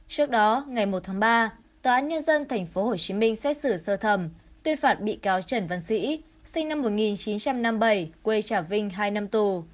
trước đó ngày một tháng ba tòa án nhân dân tp hcm xét xử sơ thẩm tuyên phạt bị cáo trần văn sĩ sinh năm một nghìn chín trăm năm mươi bảy quê trà vinh hai năm tù